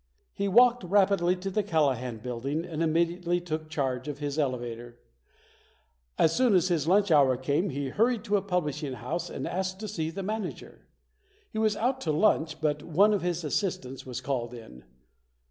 He walked rap idly to the Callahan Building and immediately took charge of his elevator. As soon as his lunch hour came he hurried to a publishing house and asked to see the manager. He was out to lunch but one of his assistants was called in.